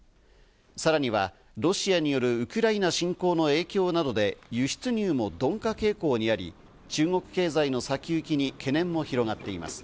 さらにはロシアによるウクライナ侵攻の影響などで輸出入も鈍化傾向にあり、中国経済の先行きに懸念も広がっています。